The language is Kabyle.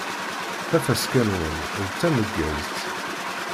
Tafaska-nwen d tameggazt!